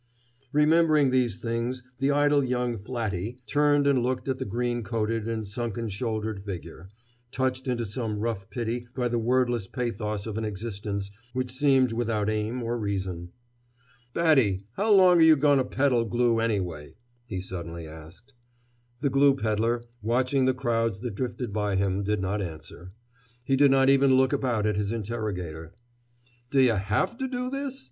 Remembering these things the idle young "flatty" turned and looked at the green coated and sunken shouldered figure, touched into some rough pity by the wordless pathos of an existence which seemed without aim or reason. "Batty, how long're yuh going to peddle glue, anyway?" he suddenly asked. The glue peddler, watching the crowds that drifted by him, did not answer. He did not even look about at his interrogator. "D' yuh have to do this?"